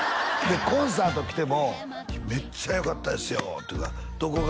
コンサート来ても「めっちゃよかったですよ」って言うから「どこが？」